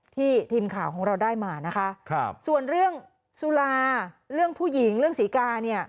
ทีมข่าวของเราได้มานะคะครับส่วนเรื่องสุราเรื่องผู้หญิงเรื่องศรีกาเนี่ย